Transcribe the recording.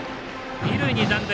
二塁に残塁。